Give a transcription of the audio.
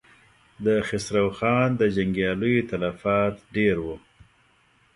د خسرو خان د جنګياليو تلفات ډېر و.